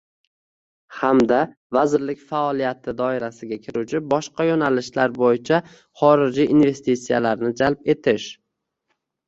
hamda vazirlik faoliyati doirasiga kiruvchi boshqa yo'nalishlar bo'yicha xorijiy investitsiyalarni jalb etish.